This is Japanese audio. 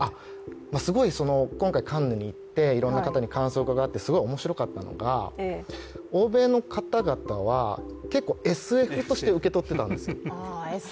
すごい今回カンヌに行って、いろんな方に感想を伺ってすごい面白かったのが、欧米の方々は結構、ＳＦとして受け取っていたんですよ。